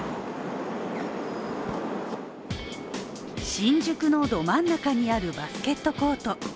新宿のど真ん中にあるバスケットコート。